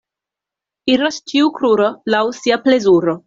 Iras ĉiu kruro laŭ sia plezuro.